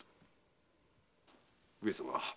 上様